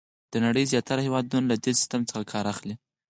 د نړۍ زیاتره هېوادونه له دې سیسټم څخه کار اخلي.